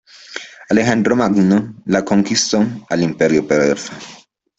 Alejandro Magno la conquistó al Imperio Persa.